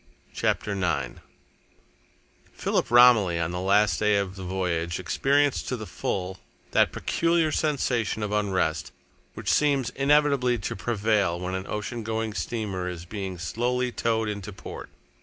CHAPTER IX Philip Romilly, on the last day of the voyage, experienced to the full that peculiar sensation of unrest which seems inevitably to prevail when an oceangoing steamer is being slowly towed into port.